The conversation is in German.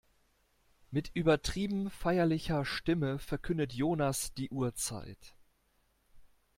Mit übertrieben feierlicher Stimme verkündet Jonas die Uhrzeit.